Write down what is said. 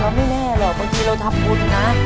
ไม่แน่หรอกบางทีเราทำบุญนะ